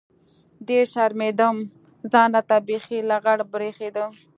ډېر شرمېدم ځان راته بيخي لغړ بريښېده.